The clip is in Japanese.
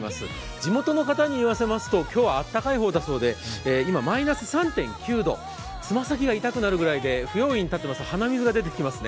地元の方に言わせますと、今日はあったかい方だそうで、今、マイナス３．９度つま先が冷たくて不用意に立っていますと鼻水が出てきますね。